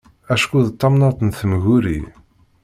Acku d tamnaḍt n temguri.